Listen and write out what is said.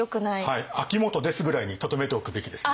はい「秋元です」ぐらいにとどめておくべきですね。